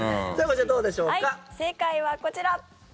正解はこちら。